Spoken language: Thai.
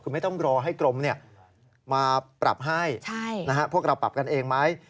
คือไม่ต้องรอให้กรมมาปรับให้พวกเราปรับกันเองไหม